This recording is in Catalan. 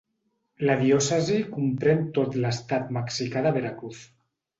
La diòcesi comprèn tot l'estat mexicà de Veracruz.